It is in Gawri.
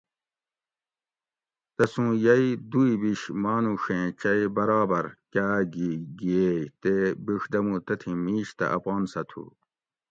تسوں یئی دوئی بِیش مانوڛیں چئی برابر کاۤ گھی گیئے تے بِڛدمو تتھی مِیش تہ اپانسہ تھو